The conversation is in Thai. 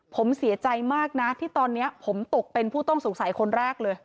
ผมเสียใจมากนะที่ตอนนี้ผมตกเป็นผู้ต้องสงสัยคนแรกเลย